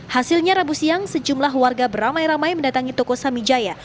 hasilnya rabu siang sejumlah warga beramai ramai mendatangi toko samijaya